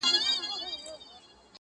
نه یې مرستي ته دوستان سوای رسېدلای -